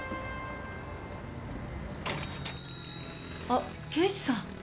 あっ刑事さん。